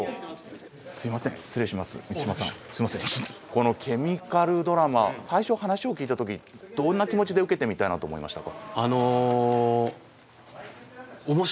このケミカルドラマ最初話を聞いた時どんな気持ちで受けてみたいなと思いましたか？